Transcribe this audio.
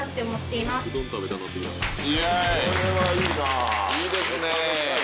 いいですね。